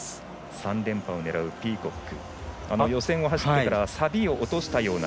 ３連覇を狙うピーコック。